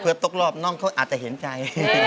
เพื่อตกรอบน้องเขาอาจจะเห็นใจ